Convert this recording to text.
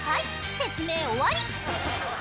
説明終わり」